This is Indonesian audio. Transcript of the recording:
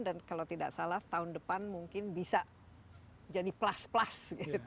dan kalau tidak salah tahun depan mungkin bisa jadi plus plus